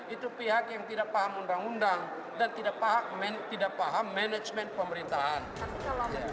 itu pihak yang tidak paham undang undang dan tidak paham manajemen pemerintahan